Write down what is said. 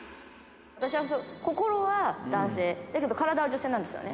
私は心は男性、だけど体は女性なんですよね。